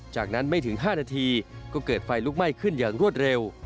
จากนั้นไม่ถึง๕นาทีก็เกิดไฟลุกไหม้ขึ้นอย่างรวดเร็ว